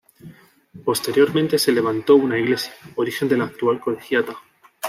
Posteriormente se levantó una iglesia, origen de la actual colegiata.